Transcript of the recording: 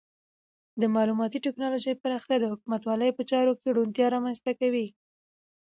د معلوماتي ټکنالوژۍ پراختیا د حکومتولۍ په چارو کې روڼتیا رامنځته کوي.